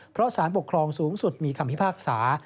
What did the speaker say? เพราะสารปกครองสูงสุดมีคำพิพากษา